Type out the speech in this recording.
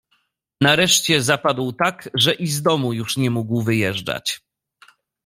"Nareszcie zapadł tak, że i z domu już nie mógł wyjeżdżać."